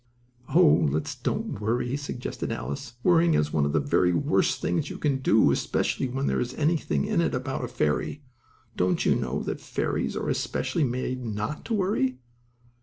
"Oh! let's don't worry," suggested Alice. "Worrying is one of the very worst things you can do, especially when there is anything in it about a fairy. Don't you know that fairies are especially made not to worry?